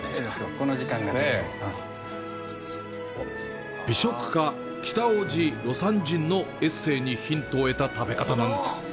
この時間が美食家・北大路魯山人のエッセイにヒントを得た食べ方なんです。